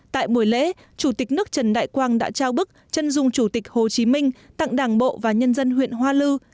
tại buổi lễ chủ tịch nước trần đại quang đã trao bức chân dung chủ tịch hồ chí minh tặng đảng bộ và nhân dân huyện hoa lư